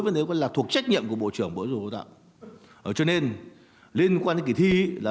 vấn đề là thuộc trách nhiệm của bộ trưởng bộ giáo dục học tạo cho nên liên quan đến kỳ thi là